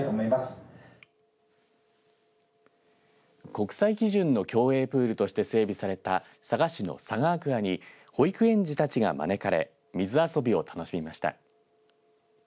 国際基準の競泳プールとして整備された佐賀市のＳＡＧＡアクアに保育園児たちが招かれ水遊びを楽しみました。